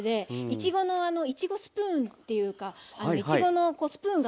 いちごのいちごスープンっていうかあのいちごのこうスプーンが。